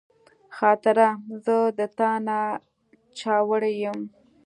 خاطره زه د تا نه چاوړی یم